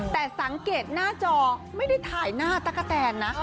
แต่สังเกตหน้าจอไม่ได้ถ่ายหน้าตั๊กกะแตนนะ